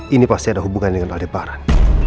ini pasti ada hubungan dengan adeparan